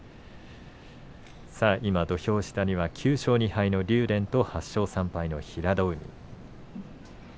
今、土俵下には９勝２敗の竜電と８勝３敗の平戸海。